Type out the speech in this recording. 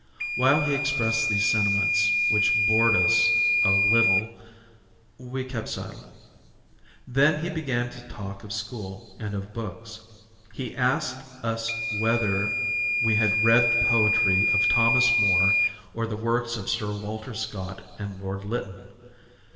While he expressed these sentiments which bored us a little we kept silent. Then he began to talk of school and of books. He asked us whether we had read the poetry of Thomas Moore or the works of Sir Walter Scott and Lord Lytton.